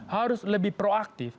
harus lebih proaktif